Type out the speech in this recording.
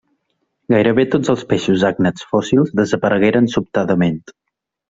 Gairebé tots els peixos àgnats fòssils desaparegueren sobtadament.